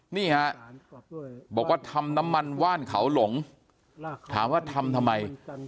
นี่ฮะบอกว่าทำน้ำมันว่านเขาหลงถามว่าทำทำไม